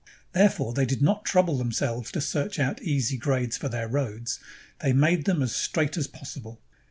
Therefore they did not trouble them selves to search out easy grades for their roads; they made them as straight as possible.